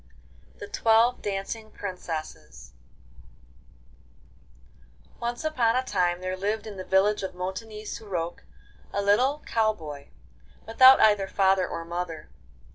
A. L. THE TWELVE DANCING PRINCESSES I Once upon a time there lived in the village of Montignies sur Roc a little cow boy, without either father or mother.